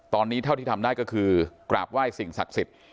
ตอนนี้เท่าที่ทำได้ก็คือกราบไหว้สิ่งศักดิ์สิทธิ์